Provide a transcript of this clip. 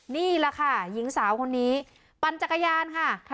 นี่แหละค่ะหญิงสาวคนนี้ปั่นจักรยานค่ะ